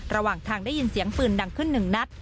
ระหว่างทางได้ยินเสียงปืนดังขึ้นหนึ่งนัด